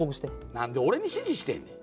何で俺に指示してんねん！